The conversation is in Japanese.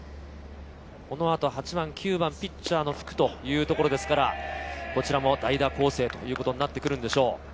このあと８番、９番ピッチャーの福というところですから、こちらも代打構成ということになってくるんでしょう。